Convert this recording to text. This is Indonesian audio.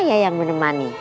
saya yang menemani